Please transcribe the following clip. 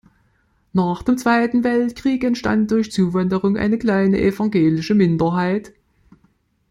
Nach dem Zweiten Weltkrieg entstand durch Zuwanderung eine kleine evangelische Minderheit.